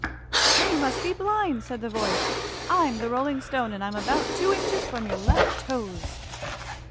"Then you must be blind," said the voice. "I'm the Rolling Stone, and I'm about two inches from your left toes."